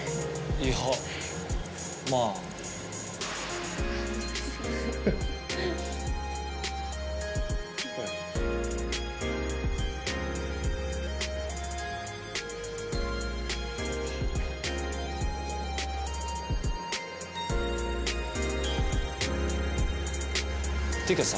いやまぁっていうかさ